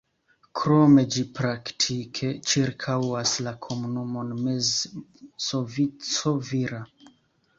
Krome ĝi praktike ĉirkaŭas la komunumon Mezzovico-Vira.